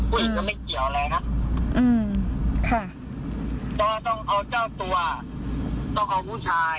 ผู้หญิงก็ไม่เกี่ยวอะไรนะอืมค่ะเพราะว่าต้องเอาเจ้าตัวต้องเอาผู้ชาย